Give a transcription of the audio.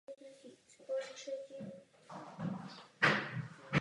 Ten na nahrávce rovněž obsluhoval několik nástrojů.